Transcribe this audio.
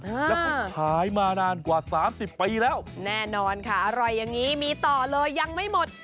แล้วเขาขายมานานกว่าสามสิบปีแล้วแน่นอนค่ะอร่อยอย่างนี้มีต่อเลยยังไม่หมด